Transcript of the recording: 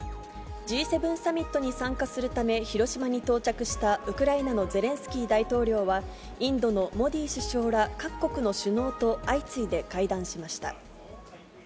Ｇ７サミットに参加するため広島に到着したウクライナのゼレンスキー大統領はインドのモディ首相ら、各国の首脳と相次いで会談しました。